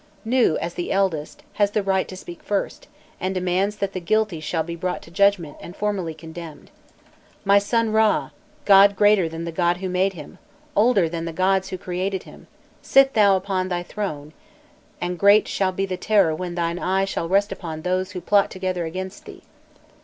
Nû, as the eldest, has the right to speak first, and demands that the guilty shall be brought to judgment and formally condemned. "My son Râ, god greater than the god who made him, older than the gods who created him, sit thou upon thy throne, and great shall be the terror when thine eye shall rest upon those who plot together against thee!"